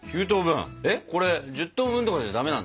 えっこれ１０等分とかじゃダメなんだ？